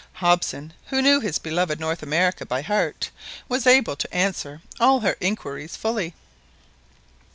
Hobson, who knew his beloved North America by heart, was able to answer all her inquiries fully.